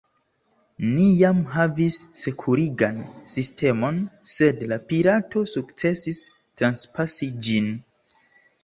Ni jam havis sekurigan sistemon, sed la pirato sukcesis transpasi ĝin.